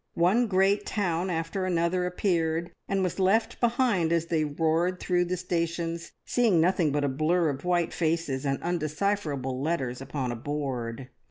One great town after another appeared, and was left behind as they roared through the stations, seeing nothing but a blur of white faces and undecipherable letters upon a board.